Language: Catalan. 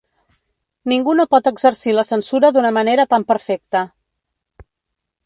Ningú no pot exercir la censura d’una manera tan perfecta.